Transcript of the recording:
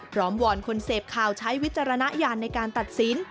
วอนคนเสพข่าวใช้วิจารณญาณในการตัดสิน